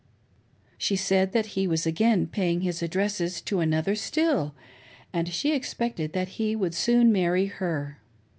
She said that he was again paying his addresses to another still, and she expected that he would soon marry her.